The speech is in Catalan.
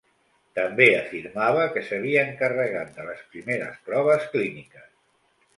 També afirmava que s'havia encarregat de les primeres proves clíniques.